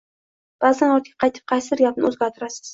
Ba’zan ortga qaytib qaysidir gapni o’zgartirasiz